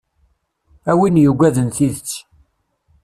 A win yuggaden tidet.